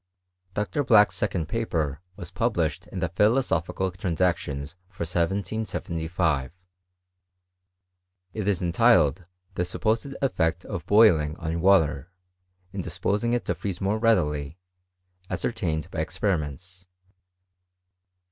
Dr. Black's second paper was published in the Philosophical Transactions for 1775. It is entitled " The supposed Effect of boiling on Water, in disposing it to freeze more readily, ascertained by Experiments."